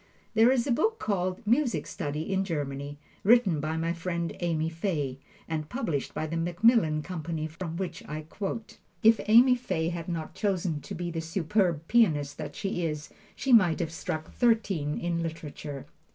There is a book called, "Music Study in Germany," written by my friend Amy Fay, and published by The Macmillan Company, from which I quote. If Amy Fay had not chosen to be the superb pianist that she is, she might have struck thirteen in literature.